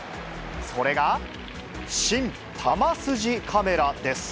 それが、新・球筋カメラです。